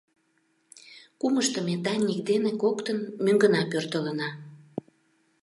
Кумышто ме Даник дене коктын мӧҥгына пӧртылына.